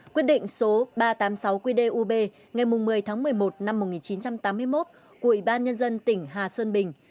quyết định số ba trăm tám mươi sáu qdub ngày một mươi tháng một mươi một năm một nghìn chín trăm tám mươi một của ủy ban nhân dân tỉnh hà sơn bình